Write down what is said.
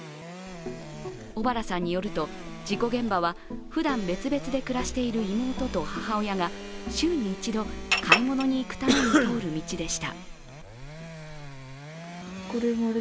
小原さんによると事故現場はふだん別々で暮らしている妹と母親が週に１度、買い物に行くために通る道でした。